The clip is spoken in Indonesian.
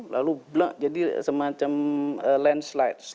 lalu jadi semacam landslide